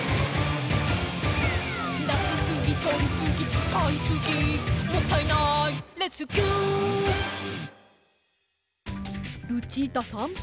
「出しすぎとりすぎ使いすぎもったいないレスキュー」ルチータさん。